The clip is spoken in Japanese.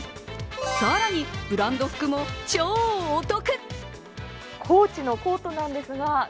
更に、ブランド服も超お得。